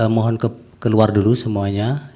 mohon keluar dulu semuanya